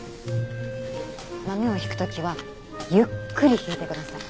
豆をひく時はゆっくりひいてください。